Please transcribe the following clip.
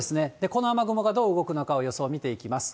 この雨雲がどう動くのか、予想を見ていきます。